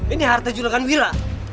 ini harta julagan wira